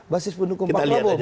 basis pendukung pak prabowo